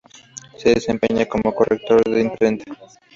Se desempeña como corrector de imprenta.